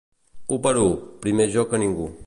U per u, primer jo que ningú.